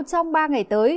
trong ba ngày tới